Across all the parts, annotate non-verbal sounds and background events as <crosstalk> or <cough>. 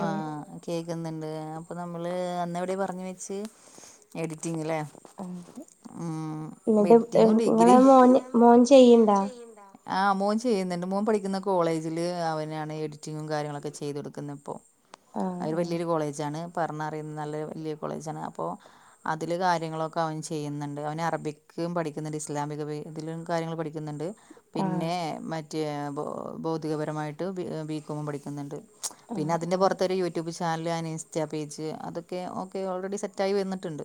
ആ കേക് ക്ക്ന്ന്ണ്ട് അപ്പൊ നമ്മള് അന്ന് എവിടെ പറഞ്ഞ് വെച്ച് എഡിറ്റിംഗ് ലേ ആ ഹ് ന്നിട്ട് നിങ്ങള മോന് മോൻ ചെയ്യ്ണ്ടാ? ആ മോൻ ചെയ്യുന്നുണ്ട് മോൻ പഠിക്കുന്ന കോളേജില് അവനാണ് എഡിറ്റിങ്ങും കാര്യങ്ങളൊക്കെ ചെയ്ത് കൊടുക്കുന്നെപ്പൊ. അയില് വല്ല്യൊരു കോളേജാണ്. പറഞ്ഞറിയുന്ന നല്ലൊരു വല്ല്യ കോളേജാണ് അപ്പോ അതില് കാര്യങ്ങളൊക്കെ അവന് ചെയ്യുന്നുണ്ട് അവന് അറബിക് കും പഠിക്കുന്നുണ്ട് ഇസ്ലാമികതിലും കാര്യങ്ങൾ പഠിക്കുന്നുണ്ട് പിന്നെ മറ്റ് റ്റ് ഭൗതികപരമായിട്ട് ബികോമും പഠിക്കുന്നുണ്ട് പിന്നെ അതിന്റെ പുറത്ത് യൂട്യൂബ് ചാ ചാൻല് ആൻ ഇൻസ്റ്റാ പേജ് അതൊക്കെ ഓക്കെ ഓൾറെഡി സെറ്റായി വന്നിട്ടുണ്ട്.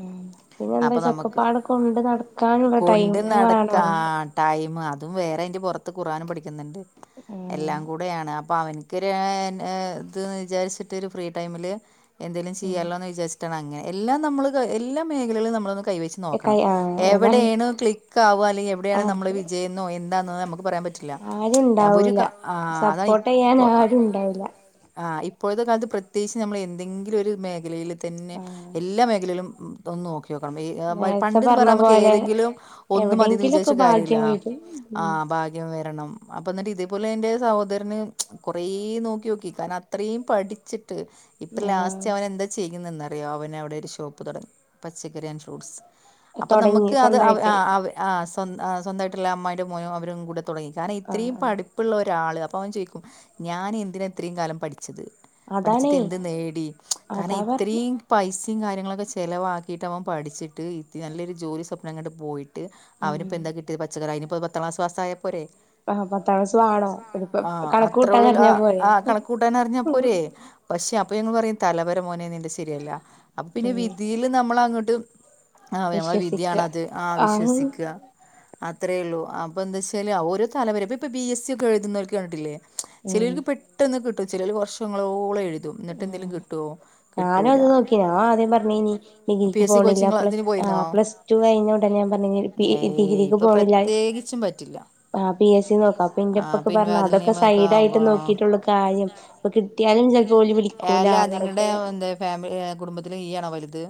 ഉം പിന്നെന്താച്ചാ ഒക്കപ്പാടെ കൊണ്ട് നടക്കാനുള്ള ടൈമ് വേണം. തും വേറെ അയ്ന്റെ പൊർത്ത് ഖുർആനും പഠിക്കുന്നുണ്ട് എല്ലാം കൂടെയാണ് അപ്പൊ അവൻ ക്ക് രേ നേ ഇത് ന്ന് വിചാരിച്ചിട്ട് ഒരു ഫ്രീ ടൈമില് എന്തേലും ചെയ്യാലോന്ന് വിചാരിച്ചിട്ടാണ് അങ്ങനെ. എല്ലാം നമ്മള് എല്ലാ മേഖലകളും നമ്മളൊന്ന് ക കൈവെച്ച് നോക്കണം എവിടേണ് ക്ലിക്ക് ആവാ അല്ലെങ്കിൽ എവിടെയാണ് നമ്മൾ വിജയം എന്നോ എന്താ നമു ക്ക് പറയാൻ പറ്റില്ല ഞാൻ പോ ഒരു കാ ആ അതാണ് ഇ ഞാൻ ആരും ഉണ്ടാവില്ല. ഇപ്പോഴത്തെ കാലത്ത് പ്രത്യേകിച്ച് നമ്മള് എന്തെങ്കിലും ഒരു മേഖലയില് തന്നെ എല്ലാ മേഖലയിലും ഒന്ന് നോക്ക ക്കിയോക്കണം ഏ ആ മര് പണ്ട് ന്ന് പറഞ്ഞ നമുക്ക് ഏതെങ്കിലും ഒന്നു മതീന്ന് വിചാരിച്ച കാര്യല്ല ആം ഭാഗ്യം വരണം അപ്പ ന്നിട്ട് ഇതേപോലെ എന്റെ സഹോദരന് കൊറെ നോക്കി നോക്കി കാരണം അത്രീം പഠിച്ചി ട്ട് ഇപ്പ ലാസ്റ്റ് അവൻ എന്താ ചെയ്യുന്നന്നറിയോ അവനവിടെ ഒരു ഷോപ്പ് തുടങ്ങി പച്ചക്കറി ഫ്രൂഡ്സ് അപ്പ നമുക്ക് അത് ആ ആ സ്വന്തമായിട്ടുള്ള അമ്മായിന്റെ മോനും അവരും കൂടെ തുട തുടങ്ങി കാരണം ഇത്രയും പഠിപ്പുള്ള ഒരാള് അപ്പൊ അവൻ ചോയ്ക്കും ഞാ എന്തിന ഇത്രയും കാലം പഠി ടിച്ചത് പഠിച്ചിട്ട് എന്ത് നേടി കാരണം ഇത്രയും പൈസ കാര്യങ്ങളൊക്കെ ചിലവാക്കിട്ട് അവൻ പഠിച്ചിട്ട് നല്ലൊരു ജോലി സ്വപ്നം കണ്ട് പോയി. അവനിപ്പോ എന്താ കിട്ടിയത് പച്ചക്കറി അയ്‌ന് പത്താം ക്ലാസ് പാസ്സായാൽ ആ പത്താം ക്ലാസ് ആണോ ഇപ്പോ കണ അത്ര ഉള്ളല്ലോ ആ കണക്ക കൂട്ടാൻ അറിഞ്ഞാൽ പോരേ പക്ഷേ അപ്പൊ ഞങ്ങൾ പറയും തലവര മോനെ നി ശരിയല്ല അപ്പൊ പിന്നെ വിധിയില് നമ്മളങ്ങോട്ട് ആ ഞമ്മളെ വിധിയാണത് ആ വിശ്വസിക്കുക അത്ര ഉള്ളൂ അപ്പോൾ എന്ത വച്ചാൽ ഓരോ തലവര ഇപ്പോ ബി എസ് സി ഒക്കെ എഴുതുന്നവർക്ക് കണ്ടിട്ടില്ലേ ചിലർക്ക് പെട്ടെന്ന് കിട്ടും ചിലർ വർഷങ്ങളോളം എഴു ഉ ഞാനും അത് നോക്കിനാ ആദ്യം പറഞ്ഞീ ന് ഇനി ഡിഗ്രിക്ക് പോണില്ല പ്ലസ് ആഹ് പ്ലസ് ടു കഴിഞ്ഞോടനെ ഞാൻ പറഞ്ഞ ഡിഗ്രിക്ക് പോണില്ല ആ ആ പി എസ് സി നോക്ക അപ്പൊ എന്റെപ്പൊക്കെ പറഞ്ഞ അതൊക്കെ സൈ ടായിട്ട് നോക്കിട്ടുള്ള കാര്യം ഇപ്പോ കിട്ടിയാലും ചില അല്ലാ നിങ്ങളുടെ എന്താ ഫാമി കുടുംബത്തില യാണോ വലുത്?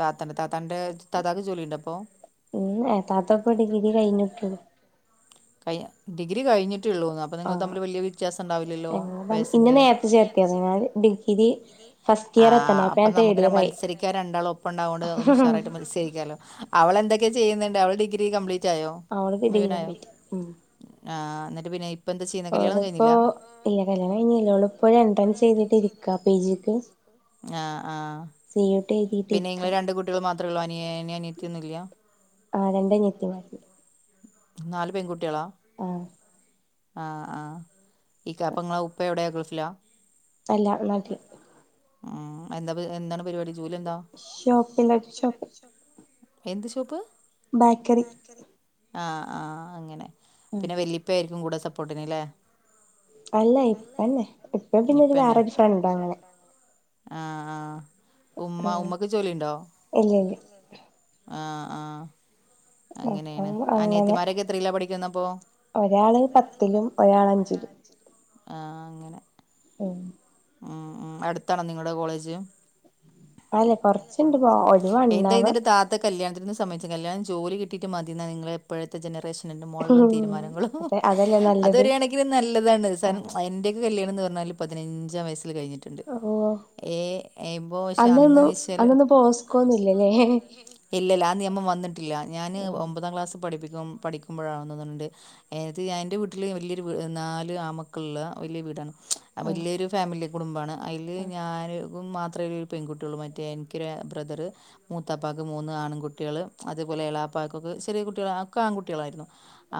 തത്താന്റെ താത്താന്റെ താത്തക്ക് ജോലിയുണ്ടോ ഇപ്പൊ ഉം ഏ താത്ത പ്പോ ഡിഗ്രി കഴിഞ്ഞോക്ക കഴി ഡിഗ്രി കഴിഞ്ഞി ട്ടൊള്ളു നിങ്ങൾ തമ്മിൽ വല്ല്യ വ്യത്യാസം ഉണ്ടാവില്ലല്ലോ വയസിന്റെ ആ് അപ്പൊ നമുക്ക് മത്സരിക്കാൻ രണ്ടാളും ഒപ്പം ഉണ്ടാവോണ്ട് ഒന്ന്ഷാറായിട്ട് മത്സരിക്കാലോ അവളെന്തൊ ചെയ്യുന്നുണ്ട് അവ ഡിഗ്രി കംമ്പ്ലീറ്റ് അവളക്ക് ഡിഗ്രി കമ്പ്ലീറ്റ് ആ ആഹ് എന്നിട്ട് പിന്നെ ഓള ഇപ്പോ ഇല്ല കല്യാണം കഴിഞ്ഞില്ല ഓള് ഇപ്പ എൻട്രൻസ് ചെയ്തിട്ടിരിക്ക പി ജി ക്ക്. ആ ആ പിന്നെ ഇങ്ങൾ രണ്ട് കുട്ടികൾ മാത്രള്ളൂ അനിയനി അനിയത്തിയൊന്നുഇല്ല്യ ആ രണ്ട് അനിയത്തിമാർ നാല് പെൺകുട്ടിയാളാ ആ ആ ഇക്ക അപ്പോ ഇങ്ങളെ ഉപ്പ എവിടെ ഗൾഫില അല്ല നാട്ടിൽ മം എന്താപ് എന്താണ് പരിപാടി ഷോപ്പിന്റെ ബേക്കറി ഷോപ്പ് എന്ത് ഷോപ്പ് ബേക്കെറി ആ ആ അങ്ങനെ പിന്നെ വല്യപ്പെ യിരിക്കും കൂടെ സപ്പോർട്ടിന്ല്ലേ അല്ല ഇപ്പന്നെ യിപ്പിനം പിന്നൊരു വേറെരു ഫ്രണ്ടു അങ്ങനെ ആ ആഹ് ഉമ്മ ഉമ്മക്ക് ജോലി ഉണ്ടോ? അങ്ങനെണ് അനിയത്തിമാരൊക്കെ എത്രല്ല പഠിക്കുന്നപ്പോ? ഒരാള് പത്തിലും ഒരാൾ അഞ്ചിലും. മം മം അടുത്താണോ നിങ്ങളുടെ കോളേജ്? എന്തയ് നിന്റെ താത്തക്ക് കല്യാത്തിനൊന്നും സമ്മയിച്ചു കല്യാണം ജോലികിട്ടീട്ട് മതിന്നാ നിങ്ങൾടെ ഇപ്പോഴത്തെ ജനറേഷൻ ന്റെ മുഴുവൻ തീരുമാനങ്ങളും അതൊരു കണക്കിന് നല്ലതാണ് സാനം എന്റെ ഒക്കെ കല്ല്യണ ന്ന് പറഞ്ഞാൽ പതിനഞ്ചാം വയസ്സ് കില് കഴിഞ്ഞിട്ടുണ്ട് ഏ എബോശെ അന്ന്ശാല് ഇല്ലല്ല ആ നിയമം വന്നിട്ടില്ല ഞാന് ഒമ്പതാം ക്ലാസ്സ് പഠിപ്പിക്കുമ്പോ തികം പഠിക്കുമ്പോഴാണ് തോന്നുന്നുണ്ട് എത് എൻ്റെ വീട്ടിൽ വല്യായൊരു വി നാല് ആമക്കളുള്ള വലിയ വീടാണ്. അ വല്ല്യൊയൊരു ഫാമിലി കുടുംബാണ് അയില് ഞാന് ഉം മാത്രേ ഒരു പെൺകുട്ടികളൂ മറ്റേ എനിക്കൊരു ബ്രദറ് മൂത്തപ്പാക്ക് മൂന്ന് ആൺകുട്ടികൾ അത്പോ അത്പോലെ എളാപാക്കൊക്കെ ചെറിയ കുട്ടികൾ ഒക്കെആൺകട്ടികളായിരുന്നു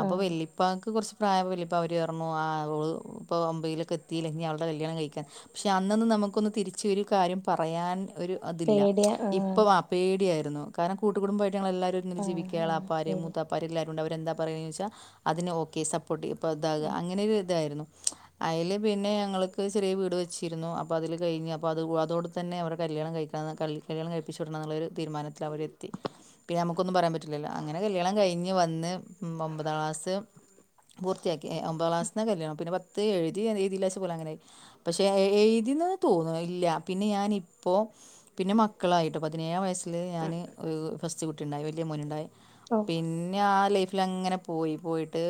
അപ്പോ വെല്ലിപ്പാക്ക് കുറച്ച് പ്രായം വല്യപ്പാവ അവർ പറ മു ആ ഓൾ ഇപ്പൊ ബോംബെയ്‌ലൊക്കെ എത്തിലെ ഇനി അവളുടെ കല്യാണം കയി പക്ഷെ അന്നൊന്നും നമുക്കൊന്ന് തിരിച്ച് കാര്യം പറയാൻ ഒരു അതില്ല ഇപ്പോ വാ പേടി കെആയിരുന്നു കാരണം കൂട്ടുകടമ്പോമായിട്ട് ഞങ്ങൾ എല്ലാരും ജവിക്കുക എളാപ്പർ മൂത്തപ്പാര് എല്ലാരും ണ്ട് അവര് എന്താ പറയ ന്ന്ച്ചാ അതിന് ഓക്കെ സപ്പോർട്ട് ഇപ്പോ ഇതാകുക അങ്ങനെഒരു ഇതായിരുന്നു. അയില് പിന്നെ ഞങ്ങക്ക് ചെറിയ വീട് വെച്ചിരുന്നു അപ്പൊ അതില് കഴിഞ്ഞ് അപ്പ അത് അതോണ്ട് തന്നെ അവര് കല്യാണം കഴിക്കണംന്നൊക്കെല്ല കല്യാണം കഴിപ്പിച്ചുടണം എന്നുള്ളരു തീരുമാനത്തിൽ അവരെ എത്തി പിന്നെ നമുക്കൊന്നും പറയാൻ പറ്റില്ലല്ലോ അങ്ങനെ കല്യാണം കഴിഞ്ഞ് വന്ന് മം മൊമ്പതാം ക്ലാസ്സ്‌ പൂർത്തിയാക്കി എ ഒമ്പതാം ക്ലാസ്സ്‌ന്ന കല്ലിയാണം പിന്നെ പത്‌, ത് എഴുതി എഴുത്തില ച്ച പോല അങ്ങനെയായി പക്ഷെ എഴുതിന്ന് തോന്ന്ണ് ഇല്ല പിന്നെ ഞാന് ഇപ്പോ പിന്നെ മക്കളായിട്ടോ പതിനേഴാം വയസ്സിൽ ഞാൻ ഓ ഫസ്റ്റ് കുട്ടി ഇണ്ടായി വല്യാ മോന് ഇണ്ടായി. പിന്നെ ആ ലൈഫ് ല അങ്ങനെ പോയി പോയിട്ട്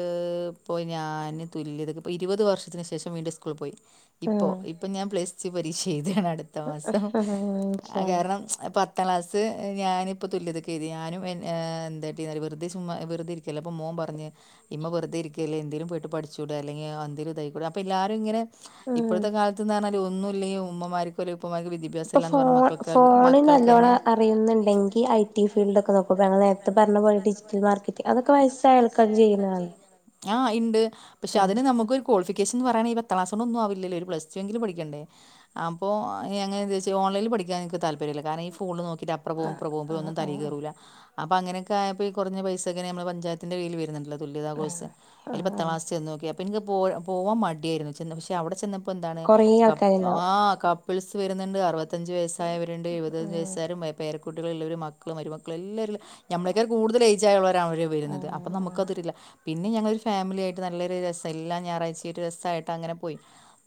പോയിപ്പോ ഞാന് തുല്യതക്ക് ഇപ്പോ ഇരുപത് വർഷത്തിന് ശേഷം വീണ്ടും സ്കൂളിൽ പോയി. ഇപ്പൊ ഇപ്പൊ ഞാൻ പ്ലസ് ടു പരീക്ഷ ചെയ്താണ് അടുത്ത മാസം കാരണം പത്ത് താം ക്ലാസ് ഞാനിപ്പോൾ തുല്യതൊക്കെയ്തി ഞാനും എ എന്താട്ടി വെറുതെ ചുമ വെറുതെ ഇരിക്കല്ലേ അപ്പോൾ മോം പറഞ് ഇമ്മ വെറുതെ ഇരിക്കല്ല എന്തെലും പോയിട്ട് പടിച്ചൂടെ അല്ലെങ്കി എന്തേലും ഇതായിക്കൂടെ അപ്പൊ എല്ലാരുങ്ങനെ ഇപ്പോഴത്തെ കാലത്ത്ന്ന് പറഞ്ഞാൽ ഒന്നുല്ലെങ്കിൽ ഒമ്മമാർക്കൊരു- ഇപ്പൊ ഫോൺ ഫോണ് നല്ലോണം അറിയുന്നുണ്ടെങ്കി ഐ ടി ഫീൽഡ് ഒക്കെ നോക്കമ്പോ ഞങ്ങ ആ ഇണ്ട് പക്ഷെ അതിന് നമ്മുക്ക് ഒരു കോളിഫിക്കേഷൻ പറയാണെ പത്താം ക്ലാസോണ്ട് ഒന്നുആവില്ല ല്ലേൽ ഒരു പ്ലസ് ടു എങ്കിലും പടിക്കണ്ടേ അപ്പോങ്ങനന്താെച്ചാൽ ഓൺലൈനിൽ പഠിക്കാൻനിക്ക് താല്പര്യമില്ല കാരണം ഈ ഫോണിൽ നോക്കി കി അപ്ര പോവും ഇപ്രാ പോവും ഇതൊന്നും തലീ കേറൂല അപ്പ അങ്ങനൊക്കെയപ്പോ ഈ കൊറഞ്ഞ പൈസൊക്കെന്നെ നമ്മൾ പ ഞ്ചായത്തിന്റെ കീഴിൽ വരുന്നുണ്ടല്ലോ? തുല്യതാ കോഴ്സ് അയില് പത്താം ക്ലാസ് ചെന്ന് നോക്കി അപ്പൊ എനിക്ക് പോ പോവാൻ മടിയായിരുന്നു പക്ഷ അവിടെ ചെന്ന എന്താണ് ആ കപ്പിൾസ് വരുന്നുണ്ട് അറുപ ത്തഞ്ച് വയസ്സായവരുണ്ട് ഇരുപത്തഞ്ച് വയസ്സാരു പേര കുട്ടികൾ ഉള്ളരും മക്കളും എല്ലാവരു നമ്മളെക്കാ കൂടുതൽ എയ്ജ് ആയുള്ളവരാണ് അവർ വരുന്നത് അപ്പൊ നമുക്ക്തിരില്ല പിന്നെ ഞങ്ങളൊരു ഫാമിലിയായിട്ട് നല്ലരു രസം എല്ല ഞായറഴ്ച ഒരു രസമായിട്ട് അങ്ങനെ പോയി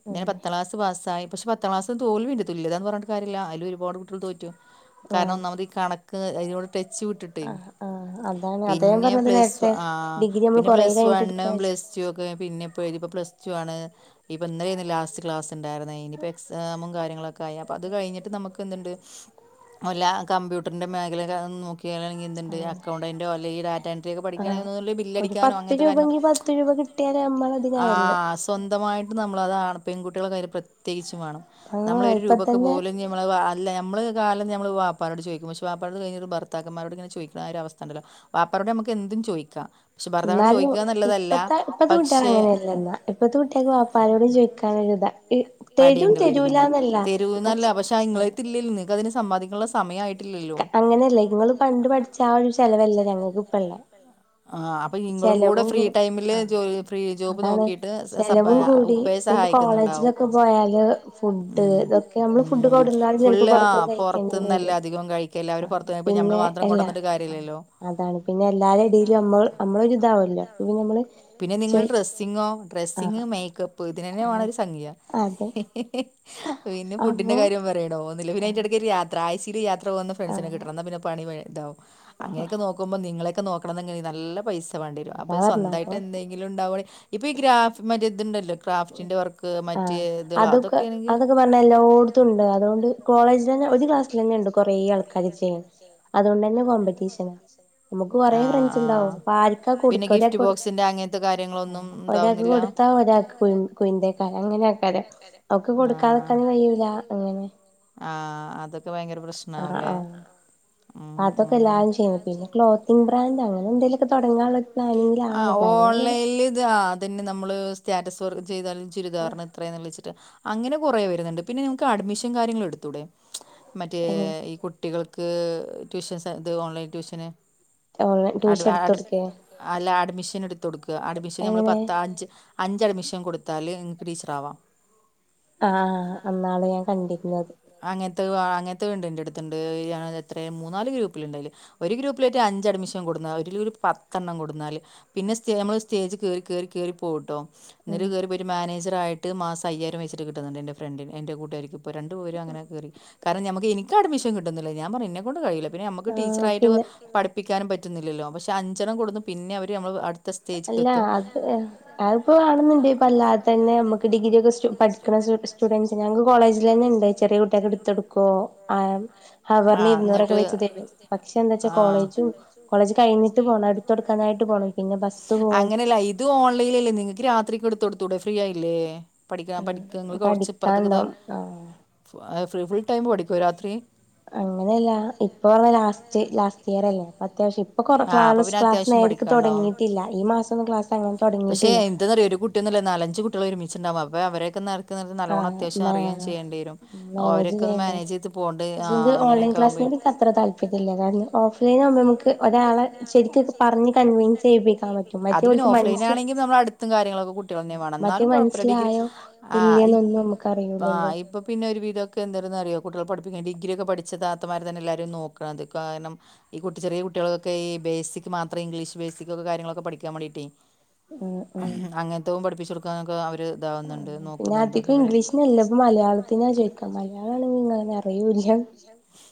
ഇന്നെ പത്താം ക്ലാസ് പാസ്സായി പക്ഷെ പത്ത ക്ലാസ് തോൽവിയുണ്ട് തുല്യതാ എന്ന് പറഞ്ഞിട്ട് കാര്യമില്ല അതില് ഒരുപാട് കുട്ടികൾ തോറ്റു കാരണം ഒന്നാമത്ത് ഈ കാണ അതിനോട് ടച്ച് വിട്ടിട്ടേ പിന്നെ പ്ല പിന്നെ പ്ലസ് വണ് പ്ലസ് ടു ഒക്കെ പിന്നെ ഇപ്പോ ഏഴു പ്ലസ് ടു ആണ് ഇപ്പൊ ഇന്നലെ ആയിരുന്നു ലാസ്റ്റ് ക്ലാസ് ണ്ടായിരുന്നെ ഇനിപ്പ എക്സാമും കാര്യങ്ങളൊക്കെ ആയ അപ്പാ അത് കഴിഞ്ഞിട്ട് നമുക്ക് എന്തുണ്ട് കമ്പ്യൂട്ടറിന്റെ മേഖല നോക്കി ഗേൾ ആണെങ്കിൽ എന്തുണ്ട് അക്കൗണ്ടൊ അല്ലെങ്കിൽ ഡാറ്റ എൻട്രിയൊക്കെ പഠിക്കണേ ബില്ലടിക്കാനോ അങ്ങനത്തൊ കാര്യ ആ സ്വന്തമായിട്ട് ന മ്മള്ളത് ആണ് പെൺകുട്ടികള്ള കൈയില് പ്രത്യകിച്ചും വേണം നമ്മള് ഒരു രൂപയ്ക്ക്‌ പോലും അല്ല നമ്മള് കാലം നമ്മൾ വാപ്പാരോട് ചോദിക്കും പെ വാപ്പാനോട് കഞ്ഞിട്ട് ഭർത്താക്കന്മാോട് ഇങ്ങെ ചോദിക്കുന്ന ഒരു അവസ്ഥണ്ടല്ലോപ്പ അവരോടെ നമുക്ക് എന്തും ചോദിക്കാം പക്ഷെ ഭർത്താവിനോട് ചോദിക്കുകന്നുള്ളതല്ല പക്ഷെ വരുന്നുണ്ട് തെരുവുന്നല്ല പക്ഷെ അങ്ങളെ അടുത്തില്ല നിങ്ങക്ക് അതിന് സമ്പാദിക്കുനുള്ള സമയമായി അങ്ങനെയല്ലേ ഇങ്ങള് പണ്ട് പഠിച്ച ആ ഒരു ചെലവല്ലേ ഞങ്ങൾക്ക് ഇപ്പയുള്ള ആ അപ്പൊ നിങ്ങളു കുടെ ഫ്രീ ടൈമില് ജോ ഫ്രീ ജോബ് നോക്കിട്ട് കൂടി കോളേജിലൊക്കെ പോയാല് ഫുഡ് ഇതൊക്കെ നമ്മള് ഫുഡ് കൊ പുറത്തുന്ന് കഴിക്കേണ്ടി വരും ആ പിന്നെ എല്ലാ ആ അതാണ് പിന്നെ എല്ലാരുടെയിലും മ്മൾ നമ്മളൊരു ഇതാവല്ലോ പിന്നെ നമ്മള് പിന്നെ ഈ മേക്കപ്പ് ഇതിന് തന്നെ വേണം ഒരു സംഖ്യ പിന്നെ ഫുഡിന്റെ കാര്യം പറയണോ നിലവില് അതിന്റെ ഇടയ്ക്കൊരു യാത്ര എ സീ ൽ യാത്ര വന്ന് ഫ്രണ്ട്സിനെ കിട്ടണം എന്നാ പിന്നെ പണി ഇതാവും അങ്ങനെയൊക്കെ നോക്കുമ്പോ നിങ്ങളെയൊക്കെ നോക്കണം ന്നെങ്കില് നല്ല പൈസ വേണ്ടി വെരും അപ്പൊ സ്വന്തായിട്ട് എന്തെങ്കിലും ഉണ്ടാവാണെ ഇപ്പ ഈ ഗ്രാഫ് മറ്റേത് ഇതുണ്ടല്ലോ ആ അതൊക്കെ അതൊക്കെ പറഞ്ഞാ എല്ലോടത്തുണ്ട് അതുകൊണ്ട് കോളേജില ഒരു ക്ലാസ്സില് തന്നെയുണ്ട് കൊറെ ആൾക്കാര് ചെയ്യാൻ. അതുകൊണ്ട് തന്നെ കോമ്പറ്റീഷനാ. നമുക്ക് കുറെ ഫ്ര ണ്ട്സ് ഉണ്ടാകും ആര്ക്കാ കൊടുക്ക ഒരാക്ക്‌ കൊടുത്താ ഒരാക്ക് കൊടുത്താ ഒരാക്ക് <unintelligible> ആ <unintelligible> ആ അതൊക്കെ ഭയങ്കര പ്രശ്നാവുല്ലേ അതൊക്കെല്ലാരും ചെയ്യുന്നു പിന്നെ ക്ലോത്തിങ് ബ്രാൻഡ് അങ്ങനെ എന്തെങ്കിലുക്കെ തുടങ്ങാനുള്ള ഒരു പ്ലാനിങ്ങിലാണ് പ്ലാനി ഓൺലൈനിൽ ഇത് ആ അതന്നെ നമ്മള് സ്റ്റാറ്റസ് ചെയ്താലും ചുരിദാറിന് ഇത്രയാന്ന്ള്ള വെച്ചിട്ടാ അങ്ങനെ കുറെ വെരുന്നുണ്ട് പിന്നെ നിങ്ങക്ക് അഡ്മിഷൻ കാര്യങ്ങളും എടുത്തൂടെ മ്ച്ച് മറ്റേ ഈ കുട്ടികൾ ക്ക് ട്യൂഷൻസെ ഇത് ഓൺലൈൻ ട്യൂഷന് <unintelligible> അല്ല അഡ്മിഷൻ എടുത്ത് കൊടുക്കുക അഡ്മിഷന് ഞമ്മൾ പത്താ അഞ്ച് അഞ്ച് അഡ്മിഷൻ കൊടുത്താല് എനിക്ക് ടീച്ചറാവാം ആ അന്നാണ് ഞാൻ കണ്ടിരുന്നത് അങ്ങനത്തെ അങ്ങനത്തെണ്ട് എന്റടുത്തുണ്ട് ഞാ എത്ര മൂന്നാല് ഗ്രൂപ്പിലുണ്ടായില് ഒരു ഗ്രൂപ്പിലായിട്ട് അഞ് ഞ്ച് അഡ്മിഷൻ കൊടുന്നാൽ ഒലുരു <unintelligible> പത്തെണ്ണം കൊടുന്നാൽ പിന്നെ സ്റ്റെ നമ്മൾ സ്റ്റേജ് കേറി കേറി കേറി പോവുട്ടോ എന്നിട്ട് കയറി പോയിട്ട് മാനേജറായിട്ട് മാസം അയ്യായിരം വച്ചിട്ട് കിട്ടുന്നുണ്ട് എന്റെ ഫ്രണ്ടിന് എന്റെ കൂട്ടുകാരിക്കു ഇപ്പൊ ര രും അങ്ങനെ കയറി കാരണം ഞമ്മക്ക് എനിക്ക് അഡ്മിഷൻ കിട്ടുന്നില്ല ഞാൻ പറയും എന്നെ കൊണ്ട് കഴിയുല്ല പിന്നെ നമ്മുക്ക് ടീച്ചറായിട്ട് പഠിപ്പിക്കാനും പറ്റുന്നില്ലല്ലോ പക്ഷെ അഞ്ചെണം കൊടുന്ന് പിന്നെ അവര്മ്മള് അടുത്ത സ്റ്റേജിക്ക് എത്തും <inaudible> തന്നെ നമുക്ക്‌ ഡിഗ്രി ഒക്കെ പഠിക്കുന്ന സ്റ്റുഡൻസിന് ഞങ്ങക്ക് കോളേജില് തന്നെ ഉണ്ടായി ചെറിയ കുട്ടിയൊക്കെടുത്ത് കൊടുക്ക്വോ <unintelligible> ഹവറിനു ഇരുന്നൂറൊക്കെ വെച്ചു തരും പക്ഷെ എന്താച്ചാ കോളേജ് കോളേജ് കഴിഞ്ഞ് <inaudible> അങ്ങനല്ല ഇത് ഓൺലൈൻ അല്ലെ നിങ്ങൾക്ക് രാത്രി കൊടു ടുത്തൂടെ ഫ്രീ ആയില്ലേ പഠിക്കാ പഠിക്ക ങ്ങള് കൊറച്ച് ഇപ്പറത്തേക്ക് ദാ അഹ് ഫുൾ ഫുൾ ടൈമ് പഠിക്കുമോ രാത്രി അങ്ങനെല്ല ഇപ്പ ങ്ങ ലാസ്റ്റ് ലാസ്റ്റ് ഇയറല്ലേ അപ്പൊ അത്യാവശ്യം ഇപ്പൊ കൊറ ക്ലാസ് നേരിക്ക് തുടങ്ങിയിട്ടില്ല ഈ മാസോന്നും ക്ലാസ് അങ്ങനെ തുടങ്ങിയിട്ടില്ല നാലഞ്ച് കുട്ടികൾ ഒരുമിച്ചുണ്ടാകും അപ്പോ അവരൊക്കെ നേർ നല്ലോണ്ണം അത്യാവശ്യം അറിയേം ചെയ്യേണ്ടിവരും അപ്പോ അവരൊക്കെ ഒന്ന് മാനേജ് ചെയ്ത് പോകേണ്ട് ആ അങ്ങനെയൊക്കെ ആകുമ്പോയി നിക്കത്ര താൽപ്പര്യല്യ അതാര്ന്ന് ഓപ്ഷനീന്ന് നമുക്ക് <unintelligible> അതു പിന്നെ ഓഫ്ലൈനാണെങ്കി നമ്മളടുത്തും കാര്യങ്ങളൊക്കെ കുട്ടിക <unintelligible> എന്നാലും കുഴപ്പംല്ല ഡിഗ്രി ആ ഇപ്പൊ പിന്നെ ഒരു വിധൊക്കെ എന്തന്ന് അറിയോ കുട്ടികളെ പഠിപ്പ ഡിഗ്രി ഒക്കെ പഠിച്ച താത്തമാര് തന്നെ എല്ലാരെയുമൊന്ന് നോക്കണം ഇത് കാരണം ഈ കുട്ടി ചെറിയ കുട്ടികള് കുട്ടികൾൊക്കെ ഈ ബേസിക് മാത്രം ഇംഗ്ലീഷ് ബേസിക് ഒക്കെ കാര്യങ്ങളൊക്കെ പഠിക്കാൻ വേണ്ടീട്ടേ അങ്ങനത്തതും പഠിപ്പിച്ചു കൊടുക്കാന്നൊക്കെ അവ ഇതാ വന്ന്ണ്ട് നോക്കുന്നുണ്ട് ഇ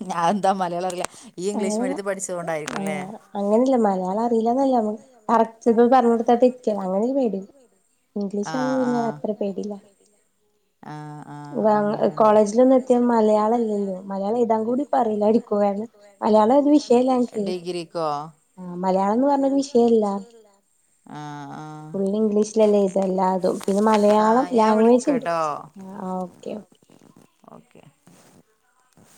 <unintelligible> ഞാ എന്താ മലയാളം അറിയാം ഇയ്യ് ഇംഗ്ലീഷ് മീഡിയത്തി പഠിച്ചത് കൊണ്ടാരി ആഹ് അങ്ങനല്ല മലയാളം അറിയില്ലന്നല്ല മ്മള് <unintelligible> പറഞ്ഞ് കൊടുത്താ തെറ്റ്യാ അങ്ങനൊരു പേടീ ഇംഗ്ലീഷാവുമ്പോ പിന്ന അത്ര പേടീല്ല കോളേജിലൊന്ന് എത്തിയാ മലയാളല്ലല്ലോ മലയാളം എയുതാൻ കൂടി ഇപ്പറിയില്ലാടിക്കും മലയാളം ഒരു വിഷയാല്ല ഡിഗ്രിക്കോ ആ ആ ആഹ് ഞാൻ വിളിക്കാട്ടോ ഓക്കെ <unintelligible>